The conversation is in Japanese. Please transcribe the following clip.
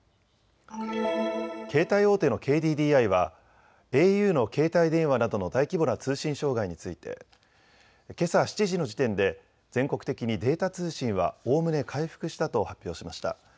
携帯大手のＫＤＤＩはａｕの携帯電話などの大規模な通信障害についてけさ７時の時点で全国的にデータ通信はおおむね回復したと発表しました。